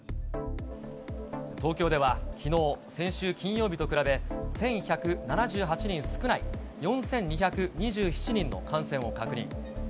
東京ではきのう、先週金曜日と比べ１１７８人少ない、４２２７人の感染を確認。